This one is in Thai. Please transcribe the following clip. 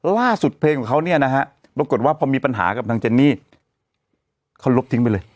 เพลงของเขาเนี่ยนะฮะปรากฏว่าพอมีปัญหากับทางเจนนี่เขาลบทิ้งไปเลย